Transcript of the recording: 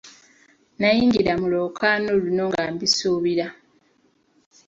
Nayingira mu lwokaano luno nga mbisuubira.